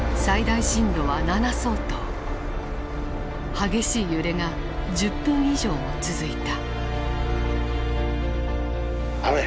激しい揺れが１０分以上も続いた。